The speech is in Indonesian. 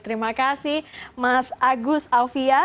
terima kasih mas agus alvia